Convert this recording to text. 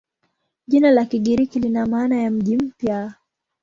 Jina la Kigiriki lina maana ya "mji mpya".